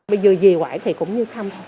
bây giờ dì quả thì cũng như thăm